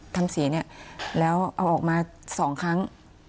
ทำเสียเนี่ยแล้วเอาออกมา๒ครั้ง